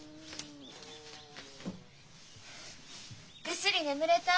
ぐっすり眠れた？